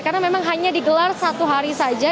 karena memang hanya digelar satu hari saja